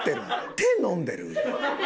手飲んでる？